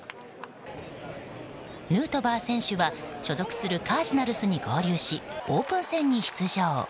ヌートバー選手は所属するカージナルスに合流しオープン戦に出場。